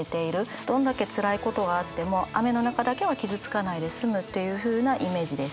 どんだけつらいことがあっても雨の中だけは傷つかないで済むっていうふうなイメージです。